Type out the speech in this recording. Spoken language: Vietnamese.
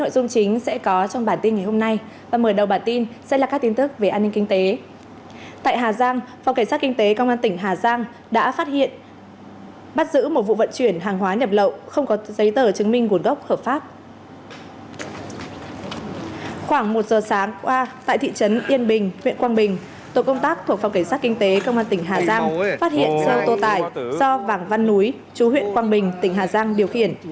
tiên bình huyện quang bình tổ công tác thuộc phòng cảnh sát kinh tế công an tỉnh hà giang phát hiện xe ô tô tải do vàng văn núi chú huyện quang bình tỉnh hà giang điều khiển